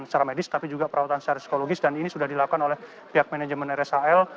secara medis tapi juga perawatan secara psikologis dan ini sudah dilakukan oleh pihak manajemen rshl